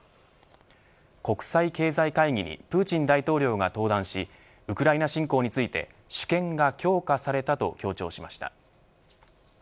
国際経済会議にプーチン大統領が登壇しウクライナ侵攻について主権が強化されたと強調しました。